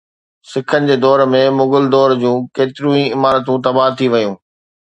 سکن جي دور ۾ مغل دور جون ڪيتريون ئي عمارتون تباهه ٿي ويون